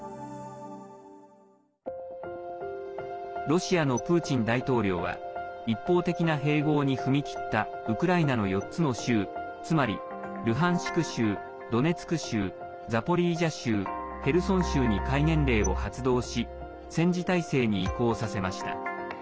ロシアのプーチン大統領は一方的な併合に踏み切ったウクライナの４つの州つまりルハンシク州ドネツク州、ザポリージャ州ヘルソン州に戒厳令を発動し戦時体制に移行させました。